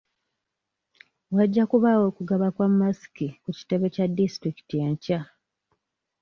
Wajja kubaawo okugaba kwa masiki ku kitebe kya disitulikiti enkya.